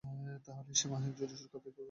তাহলে এই সীমাহীন জুজুৎসুর কথাই গেতো বলছিলো।